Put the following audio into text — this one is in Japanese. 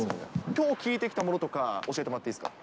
きょう、聴いてきたものとか教えてもらっていいですか？